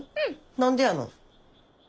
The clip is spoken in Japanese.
何でやの？